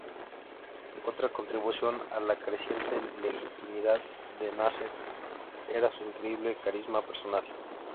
Otra contribución a la creciente legitimidad de Nasser era su increíble carisma personal.